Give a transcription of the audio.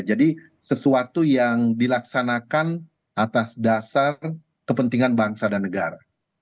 jadi sesuatu yang dilaksanakan atas dasar kepentingan bangsa dan negara